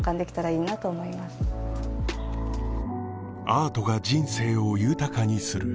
アートが人生を豊かにする